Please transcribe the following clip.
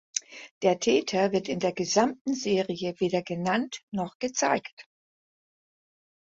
Der Täter wird in der gesamten Serie weder genannt noch gezeigt.